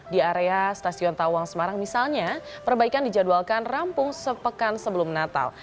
di area stasiun tawang semarang misalnya perbaikan dijadwalkan rampung sepekan sebelum natal